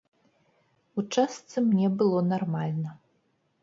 У частцы мне было нармальна.